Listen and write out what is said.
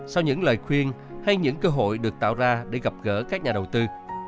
sau những lời khuyên hay những cơ hội được tạo ra để gặp gỡ các nhà đầu tư